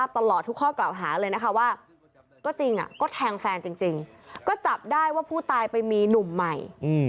ตลอดทุกข้อกล่าวหาเลยนะคะว่าก็จริงก็แทงแฟนจริงก็จับได้ว่าผู้ตายไปมีหนุ่มใหม่